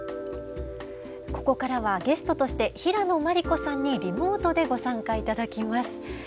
ここからはゲストとして平野真理子さんにリモートでご参加頂きます。